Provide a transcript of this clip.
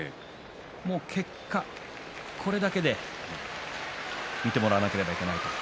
結果、これだけで見てもらわなければいけない。